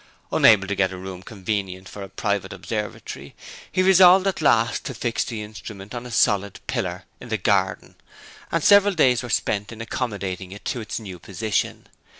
Unable to get a room convenient for a private observatory he resolved at last to fix the instrument on a solid pillar in the garden; and several days were spent in accommodating it to its new position.